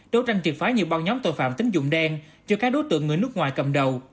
đấu tranh triệt phái nhiều bao nhóm tội phạm tính dụng đen cho các đối tượng người nước ngoài cầm đầu